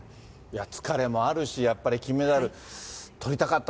疲れもあるし、やっぱり金メダルとりたかった。